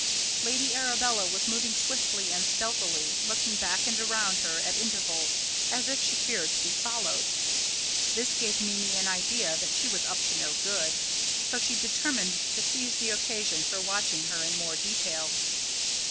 Lady Arabella was moving swiftly and stealthily, looking back and around her at intervals, as if she feared to be followed. This gave Mimi an idea that she was up to no good, so she determined to seize the occasion for watching her in more detail.